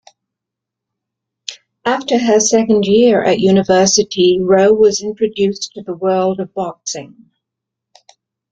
After her second year at university, Ro was introduced to the world of boxing.